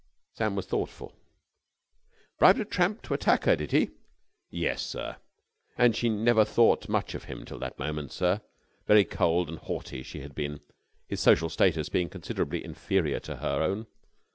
Sam was thoughtful. "Bribed a tramp to attack her, did he?" "Yes, sir. She had never thought much of him till that moment, sir. Very cold and haughty she had been, his social status being considerably inferior to her own.